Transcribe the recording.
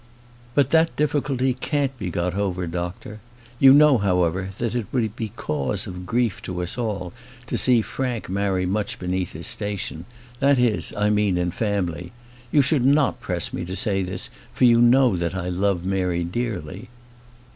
"But that difficulty can't be got over, doctor. You know, however, that it would be cause of grief to us all to see Frank marry much beneath his station; that is, I mean, in family. You should not press me to say this, for you know that I love Mary dearly."